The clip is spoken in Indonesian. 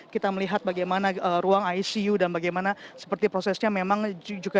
kita melihat bagaimana ruang icu dan bagaimana seperti prosesnya memang juga